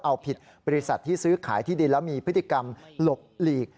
เอาผิดบริษัทที่ซื้อขายที่ดินแล้วมีพฤติกรรมหลบหลีก